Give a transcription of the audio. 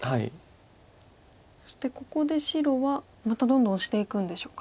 そしてここで白はまたどんどんオシていくんでしょうか。